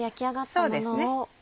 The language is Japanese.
そうです。